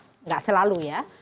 tidak selalu ya